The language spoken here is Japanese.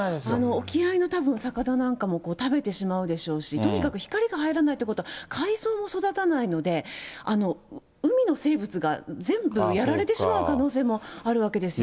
沖合の魚なんかも食べてしまうでしょうし、とにかく光が入らないということは、海草も育たないので、海の生物が全部やられてしまう可能性もあるわけですよね。